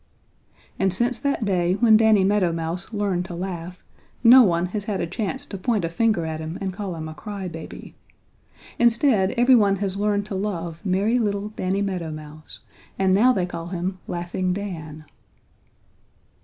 And since that day when Danny Meadow Mouse learned to laugh, no one has had a chance to point a finger at him and call him a cry baby. Instead every one has learned to love merry little Danny Meadow Mouse, and now they call him "Laughing Dan."